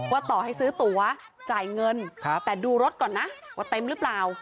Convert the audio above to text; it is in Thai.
ต่อให้ซื้อตัวจ่ายเงินแต่ดูรถก่อนนะว่าเต็มหรือเปล่า